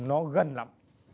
nó gần lắm